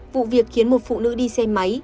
vụ việc khiến một phụ nữ đi xe chạy